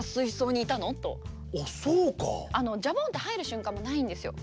ジャボンって入る瞬間もないんですよ。